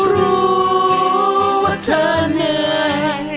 รู้ว่าเธอเหนื่อย